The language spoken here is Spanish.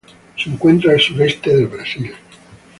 Se encuentra al sureste del Brasil.